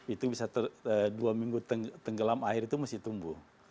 itu bisa dua minggu tenggelam air itu mesti tumbuh